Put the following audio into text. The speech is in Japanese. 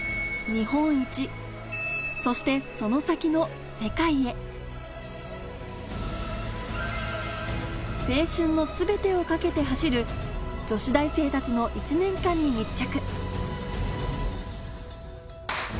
そしてその先の青春の全てを懸けて走る女子大生たちの１年間に密着